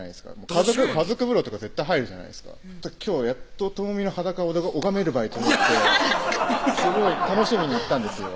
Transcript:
家族風呂とか絶対入るじゃないですか今日やっと朋美の裸を拝めるばいと思ってすごい楽しみに行ったんですよ